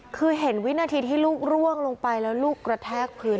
คือเห็นวินาทีที่ลูกร่วงลงไปแล้วลูกกระแทกพื้น